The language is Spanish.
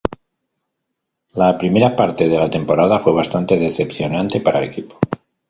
La primera parte de la temporada fue bastante decepcionante para el equipo.